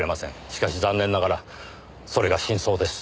しかし残念ながらそれが真相です。